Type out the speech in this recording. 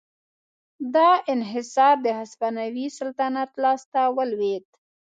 دا انحصار د هسپانوي سلطنت لاس ته ولوېد.